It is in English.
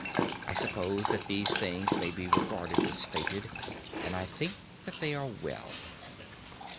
I suppose that these things may be regarded as fated,—and I think that they are well.